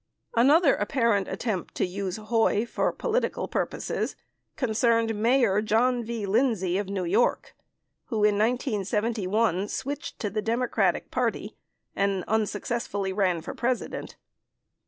] 31 Another apparent attempt to use "Hoy" for political purposes con cerned Mayor John V. Lindsay of New York, who, in 1971, switched to the Democratic Party and then unsuccessfully ran for President.